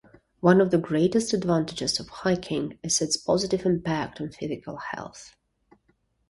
One of the greatest advantages of hiking is its positive impact on physical health.